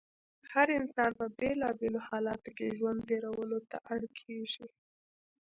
هر انسان په بېلا بېلو حالاتو کې ژوند تېرولو ته اړ کېږي.